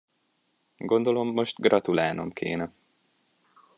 Gondolom most gratulálnom kéne.